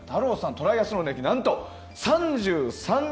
トライアスロン歴は何と３３年。